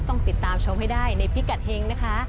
ต้องติดตามชมให้ได้ในพิกัดเฮงนะคะ